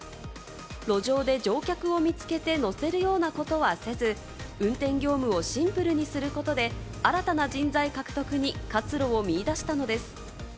路上で乗客を見つけて乗せるようなことはせず、運転業務をシンプルにすることで新たな人材獲得に活路を見いだしたのです。